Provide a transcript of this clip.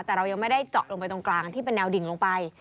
แต่เรายังไม่ได้เจาะลงไปตรงกลางที่เป็นแนวดิ่งลงไป